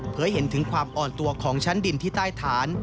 เพื่อให้เห็นถึงความอ่อนตัวของชั้นดินที่ใต้ฐาน